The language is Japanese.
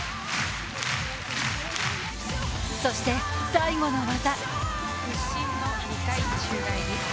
そして、最後の技。